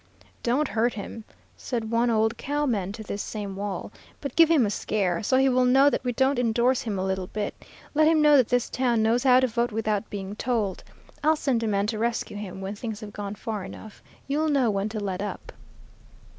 'Don't hurt him,' said one old cow man to this same Wall, 'but give him a scare, so he will know that we don't indorse him a little bit. Let him know that this town knows how to vote without being told. I'll send a man to rescue him, when things have gone far enough. You'll know when to let up.'